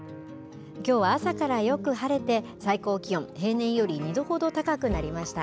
きょうは朝からよく晴れて、最高気温、平年より２度ほど高くなりました。